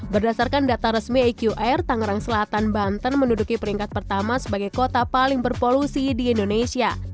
berdasarkan data resmi eqr tangerang selatan banten menduduki peringkat pertama sebagai kota paling berpolusi di indonesia